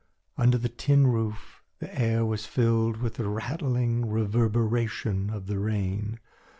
Under the tin roof, the air was filled with the rattling reverberation of the rain.